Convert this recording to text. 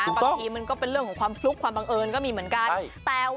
บางทีมันก็เป็นเรื่องของความฟลุกความบังเอิญก็มีเหมือนกัน